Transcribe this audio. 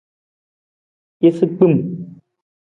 Isagbim.